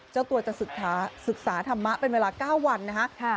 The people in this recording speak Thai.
เจ้าตัวจะศึกษาธรรมะเป็นเวลา๙วันนะคะ